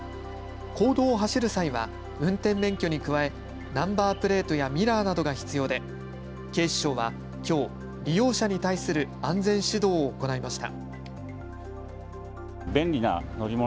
公道を走る際は運転免許に加えナンバープレートやミラーなどが必要で警視庁は、きょう利用者に対する安全指導を行いました。